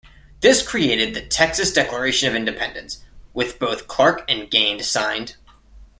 This created the Texas Declaration of Independence, with both Clark and Gained signed.